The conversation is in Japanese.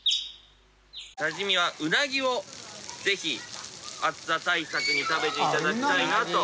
多治見はうなぎをぜひ暑さ対策に食べて頂きたいなと。